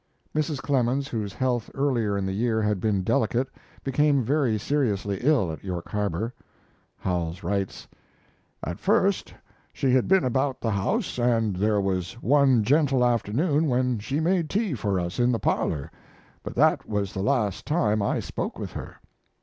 ] Mrs. Clemens, whose health earlier in the year had been delicate, became very seriously ill at York Harbor. Howells writes: At first she had been about the house, and there was one gentle afternoon when she made tea for us in the parlor, but that was the last time I spoke with her.